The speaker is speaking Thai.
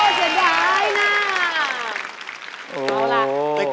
โอ้โฮเสียดายนะโอ้โฮ